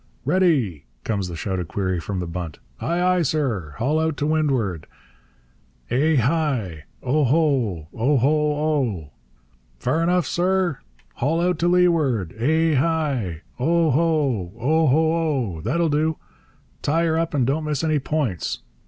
'Ready?' comes the shouted query from the bunt. 'Ay, ay, sir!' 'Haul out to windward!' Eh hai, o ho, o ho oh! 'Far enough, sir?' 'Haul out to leeward!' Eh hai, o ho, o ho oh! 'That'll do! Tie her up and don't miss any points!'